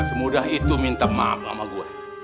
semudah itu minta maaf sama gue